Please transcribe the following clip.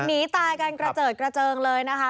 หนีตายกันกระเจิดกระเจิงเลยนะคะ